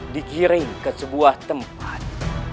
digiring ke sebuah tempat